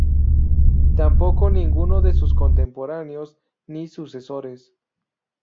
Tampoco ninguno de sus contemporáneos ni sucesores.